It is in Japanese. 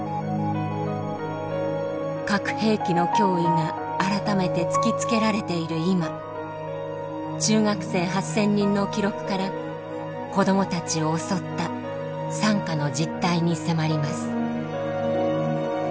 核兵器の脅威が改めて突きつけられている今中学生８，０００人の記録から子どもたちを襲った惨禍の実態に迫ります。